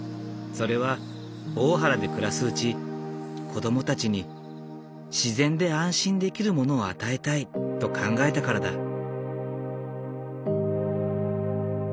それは大原で暮らすうち子供たちに自然で安心できるものを与えたいと考えたからだ。